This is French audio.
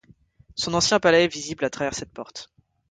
Son ancien palais est visible à travers cette porte.